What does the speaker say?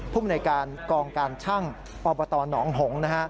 ผู้บริการกองการชั่งอบตหนองหงษ์